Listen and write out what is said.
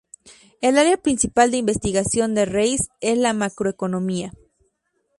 El área principal de investigación de Reis es la macroeconomía.